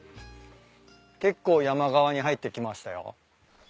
結構山側に入ってきましたよ。